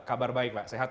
kabar baik pak sehat